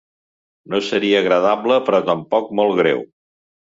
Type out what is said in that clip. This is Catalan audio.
No seria agradable però tampoc molt greu.